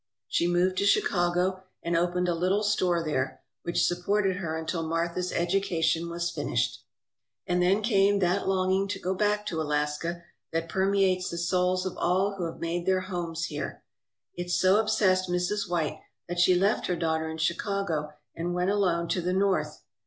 She moved to Chicago and opened a little store there, which supported her until Martha's education was finished. And then came that longing to go back to Alaska that permeates the souls of all who have made their homes here. It so obsessed Mrs. White that she left her daughter in Chicago and went alone to the North.